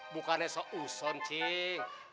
bukannya seuson cing